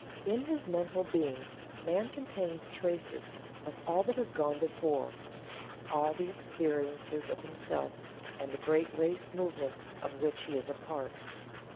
In his mental being man contains traces of all that has gone before all the experiences of himself and the great race movement of which he is a part.